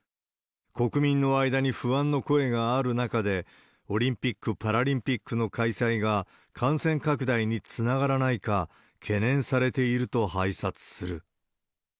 国民の間に不安の声がある中で、オリンピック・パラリンピックの開催が感染拡大につながらないか、懸念されていると拝察する。